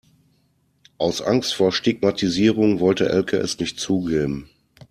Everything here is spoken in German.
Aus Angst vor Stigmatisierung wollte Elke es nicht zugeben.